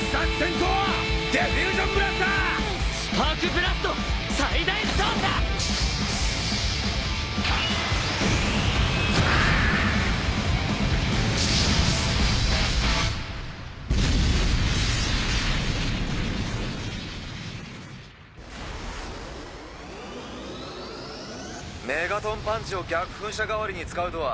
通信：大和）メガトンパンチを逆噴射代わりに使うとは。